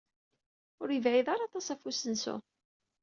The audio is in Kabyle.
Ur yebɛid ara aṭas ɣef usensu.